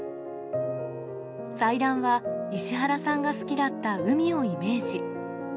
祭壇は、石原さんが好きだった海をイメージ。